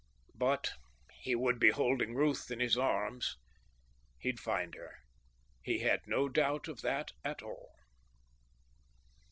But he would be holding Ruth in his arms. He'd find her: he had no doubt of that at all.